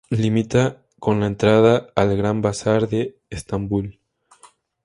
Limita con la entrada al Gran Bazar de Estambul.